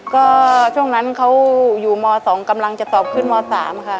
ก็ช่วงนั้นเขาอยู่ม๒กำลังจะตอบขึ้นม๓ค่ะ